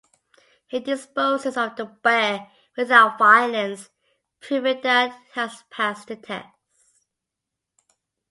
He disposes of the bear without violence, proving that he has passed the test.